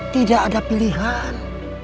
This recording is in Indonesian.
tidak ada pilihan